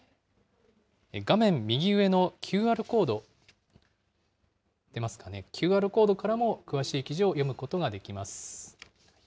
画面右上のＱＲコード、出ますかね、ＱＲコードからも詳しい記事を読むことができます。